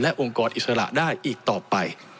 องค์กรอิสระได้อีกต่อไป